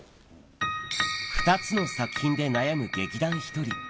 ２つの作品で悩む劇団ひとり。